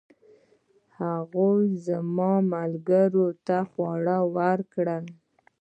هغوی زما ملګرو ته خواړه ورکړل.